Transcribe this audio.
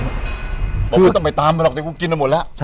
บอกว่าไม่ต้องไปตามมันหรอกเดี๋ยวก็กินมันหมดแล้ว